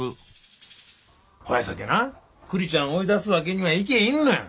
ほやさけな栗ちゃん追い出すわけにはいけぃんのや。